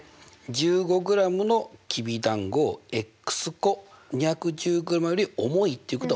１５ｇのきびだんごを個２１０ｇより重いっていうことは大きいということね。